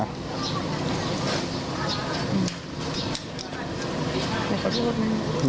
อยากขอโทษนะครับ